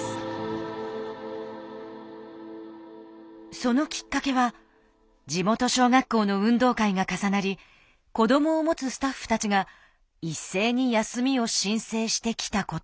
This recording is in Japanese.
そのきっかけは地元小学校の運動会が重なり子どもを持つスタッフたちが一斉に休みを申請してきたこと。